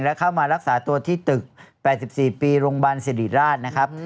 และเข้ามารักษาตัวที่ตึก๘๔ปีโรงพยาบาลสิริราชนะครับ